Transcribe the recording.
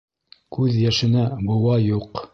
Күҙ йәшенә быуа юҡ.